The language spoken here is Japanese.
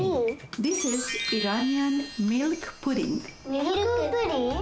ミルクプリン？